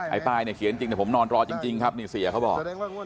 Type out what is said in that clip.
ป้ายเนี่ยเขียนจริงแต่ผมนอนรอจริงครับนี่เสียเขาบอก